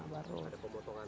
ada pemotongan hewan